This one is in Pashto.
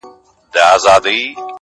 ســتا لپـــاره خــــو دعـــــا كـــــړم-